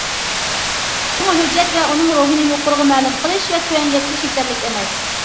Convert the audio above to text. شۇڭا ھۆججەت ۋە ئۇنىڭ روھىنى يۇقىرىغا مەلۇم قىلىش ۋە تۆۋەنگە يەتكۈزۈش يېتەرلىك ئەمەس.